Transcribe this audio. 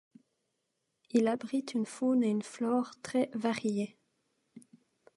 Il abrite une faune et une flore très variées.